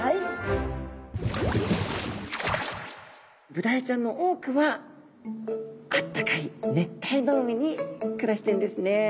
ブダイちゃんの多くはあったかい熱帯の海に暮らしてるんですね。